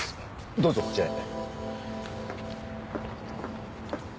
どうぞこちらへ。